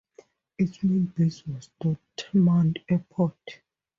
Its main base was Dortmund Airport.